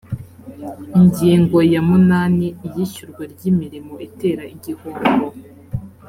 ingingo ya munani iyishyurwa ry’imirimo itera igihombo